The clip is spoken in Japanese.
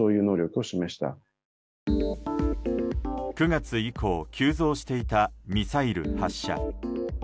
９月以降、急増していたミサイル発射。